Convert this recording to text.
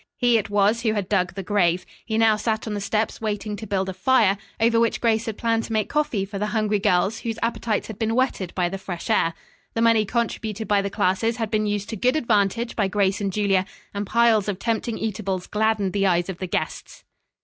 He it was who had dug the "grave." He now sat on the steps waiting to build a fire, over which Grace had planned to make coffee for the hungry girls whose appetites had been whetted by the fresh air. The money contributed by the classes had been used to good advantage by Grace and Julia, and piles of tempting eatables gladdened the eyes of the guests.